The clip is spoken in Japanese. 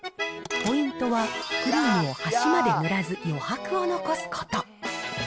ポイントは、クリームを端まで塗らず、余白を残すこと。